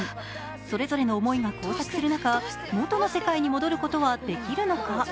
それぞれの思いが交錯する中元の世界に戻ることはできるのか。